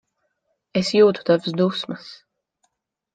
Es jūtu tavas dusmas.